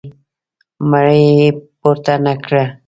لومړۍ مړۍ یې پورته نه کړه.